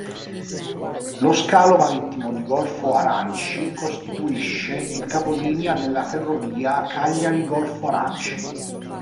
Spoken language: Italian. Lo scalo marittimo di Golfo Aranci costituisce il capolinea della ferrovia Cagliari-Golfo Aranci.